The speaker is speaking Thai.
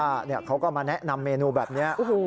เขาก็มาแนะนำเมนูแบบนี้